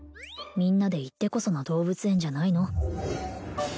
みんなで行ってこその動物園じゃないの？